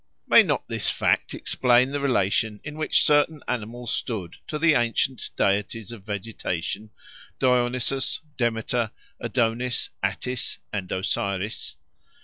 May not this fact explain the relation in which certain animals stood to the ancient deities of vegetation, Dionysus, Demeter, Adonis, Attis, and Osiris?